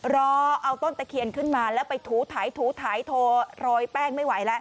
รอเอาต้นตะเคียนขึ้นมาแล้วไปถูถ่ายถูถ่ายโทรโรยแป้งไม่ไหวแล้ว